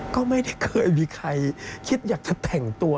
ก็ไม่ได้เคยมีใครคิดอยากจะแต่งตัว